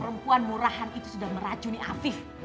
perempuan murahan itu sudah meracuni afif